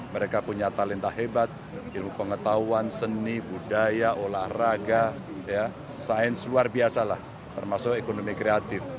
mereka punya talenta hebat ilmu pengetahuan seni budaya olahraga sains luar biasa lah termasuk ekonomi kreatif